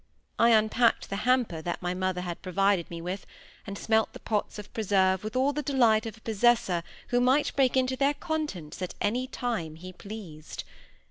I unpacked the hamper that my mother had provided me with, and smelt the pots of preserve with all the delight of a possessor who might break into their contents at any time he pleased.